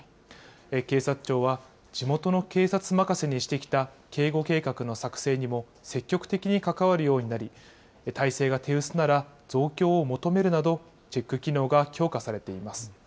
警察庁は、地元の警察任せにしてきた警護計画の作成にも積極的に関わるようになり、態勢が手薄なら、増強を求めるなど、チェック機能が強化されています。